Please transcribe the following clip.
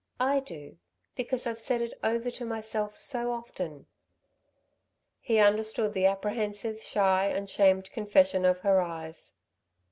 I do; because I've said it over to myself so often." He understood the apprehensive, shy and shamed confession of her eyes.